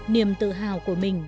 niềm tự hào của mình